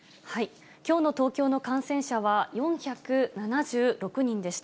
きょうの東京の感染者は４７６人でした。